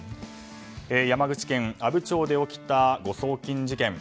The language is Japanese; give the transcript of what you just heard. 山口県阿武町で起きた誤送金事件。